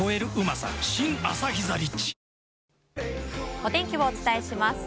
お天気をお伝えします。